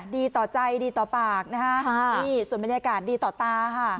ดีต่อใจดีต่อปากนะคะนี่ส่วนบรรยากาศดีต่อตาค่ะ